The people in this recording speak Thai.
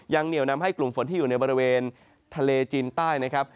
เหนียวนำให้กลุ่มฝนที่อยู่ในบริเวณทะเลจีนใต้นะครับ